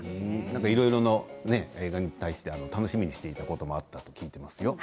いろいろな映画に対して楽しみにしていたこともあったと聞きましたよ。